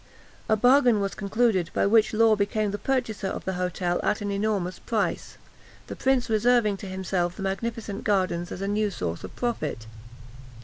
A bargain was concluded, by which Law became the purchaser of the hotel at an enormous price, the prince reserving to himself the magnificent gardens as a new source of profit.